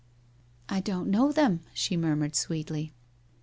' I don't know them,' she murmured sweetly.